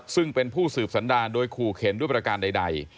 ซึ่งเป็นผู้สืบสันดารโดยขู่เข็นด้วยประการใด